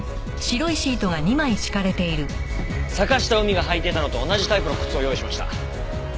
坂下海が履いていたのと同じタイプの靴を用意しました。